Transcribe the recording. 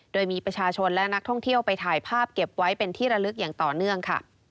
โดยมีประชาชนและนักท่องเที่ยวไปถ่ายภาพเก็บไว้เป็นที่ระลึกอย่างต่อเนื่องค่ะ